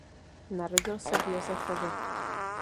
Narodil se v Josefově.